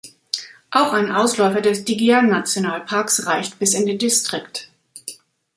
Auch ein Ausläufer des Digya-Nationalparks reicht bis in den Distrikt.